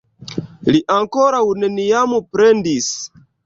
Li ankoraŭ neniam plendis.